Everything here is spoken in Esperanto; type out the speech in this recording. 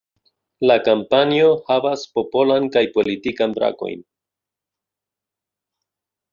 La kampanjo havas Popolan kaj Politikan brakojn.